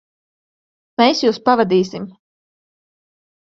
Mēs jūs pavadīsim.